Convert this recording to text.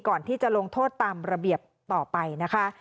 ก่อนที่จะลงโทษตามระเบียบต่อไปนะคะ